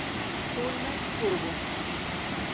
Culmen curvo.